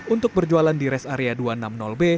untuk berjualan di res area dua ratus enam puluh b